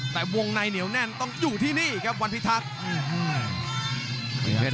แต่วงในเหนียวแน่นต้องอยู่ที่นี่ครับวันพิทักษ์